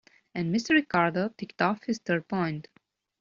And Mr. Ricardo ticked off his third point.